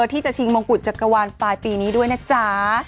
ที่จะชิงมงกุฎจักรวาลปลายปีนี้ด้วยนะจ๊ะ